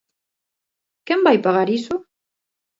¿Quen vai pagar iso?